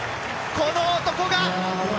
この男が！